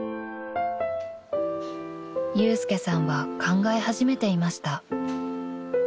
［祐介さんは考え始めていました］